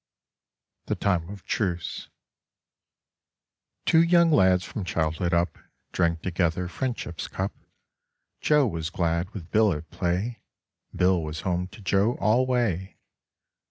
THE TIME OF TRUCE Two young lads from childhood up Drank together friendship's cup: Joe was glad with Bill at play, Bill was home to Joe alway.